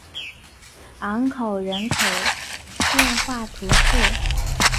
昂孔人口变化图示